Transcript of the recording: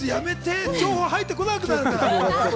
情報、入ってこなくなるから。